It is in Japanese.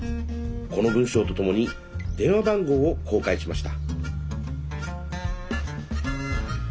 この文章とともに電話番号を公開しました。